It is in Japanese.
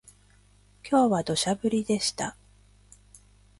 今日は土砂降りでした